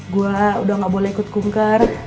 gue udah gak boleh ikut kunker